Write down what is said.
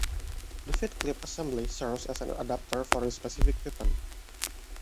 The feed clip assembly serves as an adapter for the specific weapon.